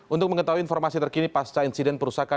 untuk mengetahui informasi terkini pasca insiden perusahaan